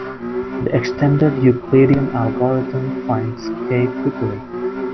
The extended Euclidean algorithm finds "k" quickly.